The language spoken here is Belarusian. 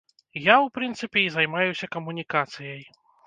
Я, у прынцыпе, і займаюся камунікацыяй.